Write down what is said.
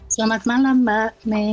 selamat malam mbak